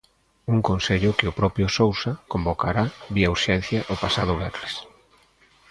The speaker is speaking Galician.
Un consello que o propio Sousa convocara vía urxencia o pasado venres.